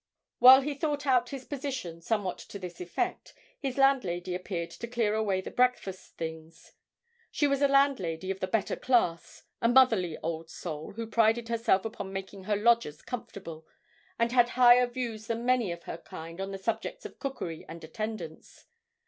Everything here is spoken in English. While he thought out his position somewhat to this effect, his landlady appeared to clear away the breakfast things; she was a landlady of the better class, a motherly old soul who prided herself upon making her lodgers comfortable, and had higher views than many of her kind on the subjects of cookery and attendance.